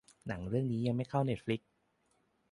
หนังเรื่องนี้ยังไม่เข้าเน็ตฟลิกซ์